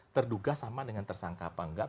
terduga sama dengan tersangka apa enggak